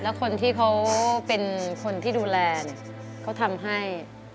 แล้วคนที่เขาเป็นคนที่ดูแลเนี่ยเขาทำให้